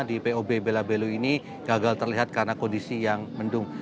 di pob bela belu ini gagal terlihat karena kondisi yang mendung